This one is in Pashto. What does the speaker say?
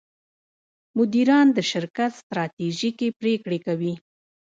مدیران د شرکت ستراتیژیکې پرېکړې کوي.